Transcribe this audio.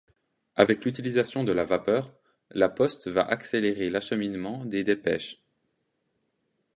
Avec l'utilisation de la vapeur, la Poste va accélérer l'acheminement des dépêches.